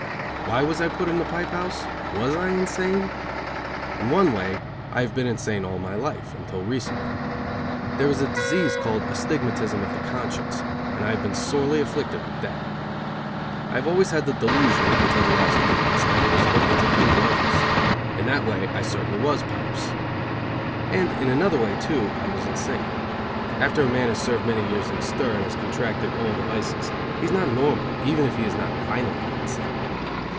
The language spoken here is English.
Why was I put in the Pipe House? Was I insane? In one way I have been insane all my life, until recently. There is a disease called astigmatism of the conscience, and I have been sorely afflicted with that. I have always had the delusion, until the last few months, that it is well to "do" others. In that way I certainly was "pipes." And in another way, too, I was insane. After a man has served many years in stir and has contracted all the vices, he is not normal, even if he is not violently insane.